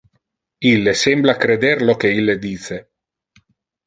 Ille sembla creder lo que ille dice.